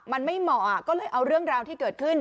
มันไม่เหมาะก็เลยเอาเรื่องราวที่เกิดขึ้น